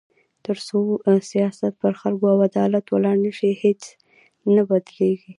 تر څو سیاست پر خلکو او عدالت ولاړ نه شي، هیڅ نه بدلېږي.